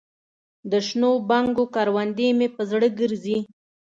دشنو بنګو کروندې مې په زړه ګرځي